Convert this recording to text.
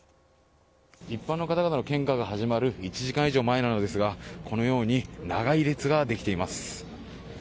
一般の方々が献花が始まる１時間前ですがこのように長い列ができています。